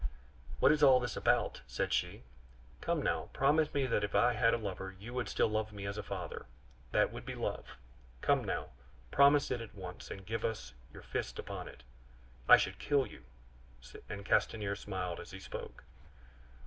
"What is all this about?" said she. "Come, now, promise me that if I had a lover you would still love me as a father; that would be love! Come, now, promise it at once, and give us your fist upon it." "I should kill you," and Castanier smiled as he spoke.